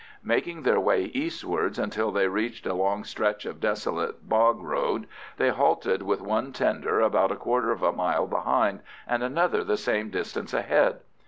Making their way eastwards until they reached a long stretch of desolate bog road, they halted with one tender about a quarter of a mile behind and another the same distance ahead.